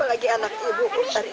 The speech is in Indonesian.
petugas menangkap rakyat di rumah